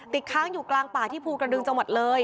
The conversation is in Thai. ค้างอยู่กลางป่าที่ภูกระดึงจังหวัดเลย